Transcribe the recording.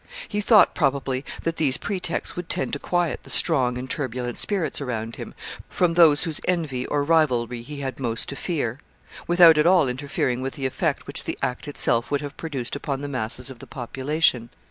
He thought, probably, that these pretexts would tend to quiet the strong and turbulent spirits around him, from whose envy or rivalry he had most to fear, without at all interfering with the effect which the act itself would have produced upon the masses of the population.